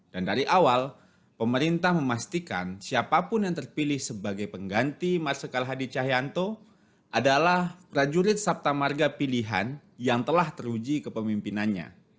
dan dari awal pemerintah memastikan siapapun yang terpilih sebagai pengganti marsyakal hadi cahyanto adalah prajurit sabtamarga pilihan yang telah teruji ke pemimpinannya